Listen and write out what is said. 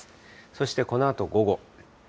そしてこのあと午後。